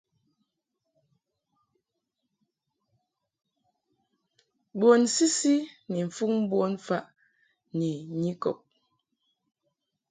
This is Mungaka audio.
Bun sisi ni mfuŋ bonfaʼ ni nyikɔb.